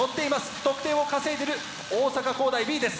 得点を稼いでいる大阪公大Ｂです。